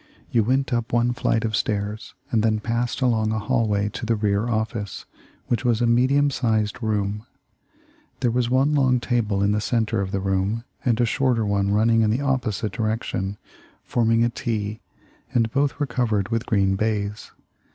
You went up one flight of stairs and then passed along a hallway to the rear office, which was a medium sized room. There was one long table in the center of the room, and a shorter one running in the opposite direction, forming a T, and both were covered with green baize.